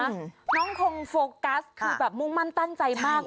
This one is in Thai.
น้องคงโฟกัสคือแบบมุ่งมั่นตั้งใจมาก